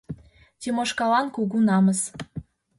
Тимошкалан кугу намыс: